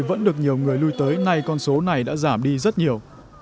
vẫn được nhiều người lưu tới nay con số này đã giảm đi rất nhiều